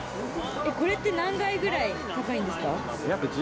これって何階ぐらい高いんですか？